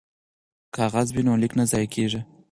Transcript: که کاغذ وي نو لیک نه ضایع کیږي.